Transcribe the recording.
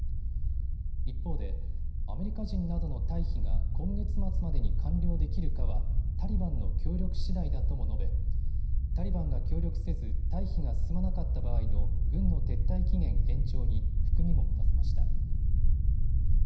一方でアメリカ人などの退避が今月末までに完了できるかはタリバンの協力しだいだとも述べタリバンが協力せず、退避が進まなかった場合の軍の撤退期限延長に含みも持たせました。